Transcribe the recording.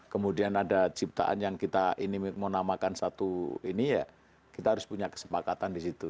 kemudian ada ciptaan yang kita ini mau namakan satu ini ya kita harus punya kesepakatan di situ